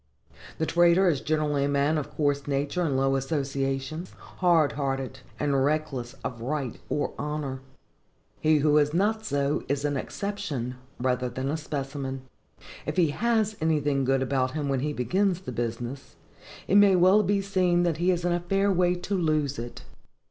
The trader is generally a man of coarse nature and low associations, hard hearted, and reckless of right or honor. He who is not so is an exception, rather than a specimen. If he has anything good about him when he begins the business, it may well be seen that he is in a fair way to lose it.